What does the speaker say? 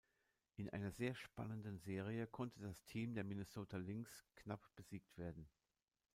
In einer sehr spannenden Serie konnte das Team der Minnesota Lynx knapp besiegt werden.